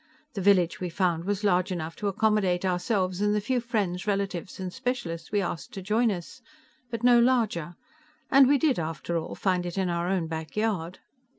The village we found was large enough to accommodate ourselves and the few friends, relatives and specialists we asked to join us, but no larger; and we did, after all, find it in our own back yard."